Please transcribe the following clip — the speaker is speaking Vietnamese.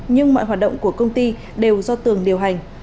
nhưng mọi hoạt động của công ty đều do tường điều hành